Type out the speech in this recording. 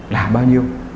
là bao nhiêu